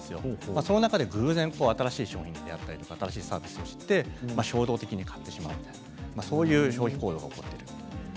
その中で偶然新しい商品に出会ったり新しいサービスをして衝動的に買ってしまう、そういう消費行動が起こっています。